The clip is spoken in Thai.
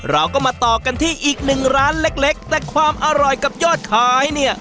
เราก็มาต่อกันที่อีกหนึ่งร้านเล็กแต่ความอร่อยกับยอดขายเนี่ย